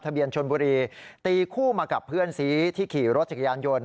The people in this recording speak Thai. เบียนชนบุรีตีคู่มากับเพื่อนซีที่ขี่รถจักรยานยนต์